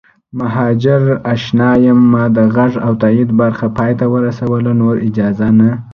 مهاجراشنا یم ما د غږ او تایید برخه پای ته ورسوله نور اجازه نه